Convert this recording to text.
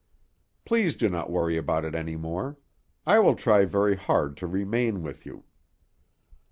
Please do not worry about it any more; I will try very hard to remain with you."